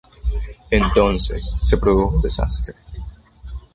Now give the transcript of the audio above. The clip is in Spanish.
Entonces, se produjo un desastre.